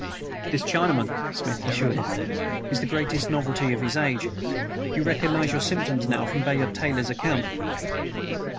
"This Chinaman," Smith assured him, "is the greatest novelty of his age. You recognize your symptoms now from Bayard Taylor's account?"